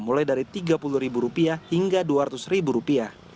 mulai dari rp tiga puluh hingga rp dua ratus